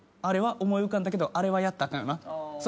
「あれは思い浮かんだけどあれはやったらあかんよな」